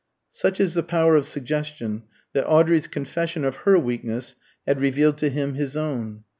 Such is the power of suggestion, that Audrey's confession of her weakness had revealed to him his own.